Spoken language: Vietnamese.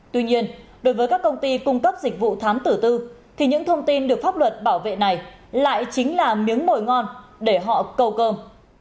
tuy nhiên đối với các công ty cung cấp dịch vụ thám tử tư thì những thông tin được pháp luật bảo vệ này lại chính là miếng mồi ngon để họ cầu cơm